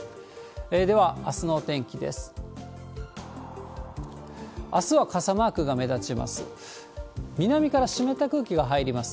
では、あすのお天気です。